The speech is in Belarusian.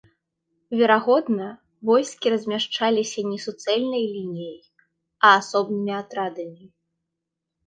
Верагодна войскі размяшчаліся не суцэльнай лініяй, а асобнымі атрадамі.